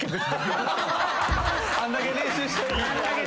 あんだけ練習したのに。